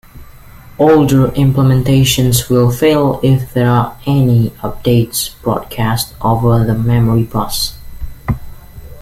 Older implementations will fail if there are "any" updates broadcast over the memory bus.